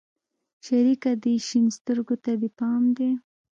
شريکه دې شين سترگو ته دې پام دى.